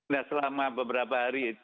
nah selama beberapa hari